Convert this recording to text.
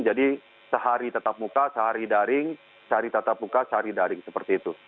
jadi sehari tetap muka sehari daring sehari tetap muka sehari daring seperti itu